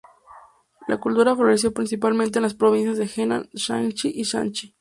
La cultura floreció principalmente en las provincias de Henan, Shaanxi y Shanxi.